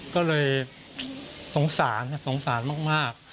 ก็เลยสงสารสงสารมาก